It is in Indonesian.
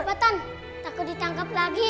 kabatan takut ditangkap lagi ya